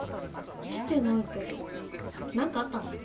来てないけど何かあったの？